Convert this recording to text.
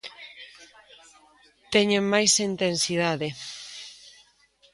Teñen máis intensidade.